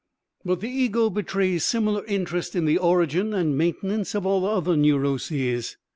But the ego betrays similar interest in the origin and maintenance of all other neuroses.